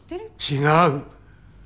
違う！